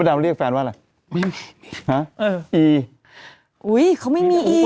ดำเรียกแฟนว่าอะไรไม่มีฮะเอออีอุ้ยเขาไม่มีอี